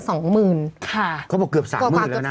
เขาบอกเกือบ๓๐๐๐๐แล้วนะ